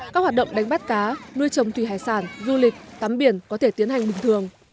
các hoạt động đánh bắt cá nuôi trồng thủy hải sản du lịch tắm biển có thể tiến hành bình thường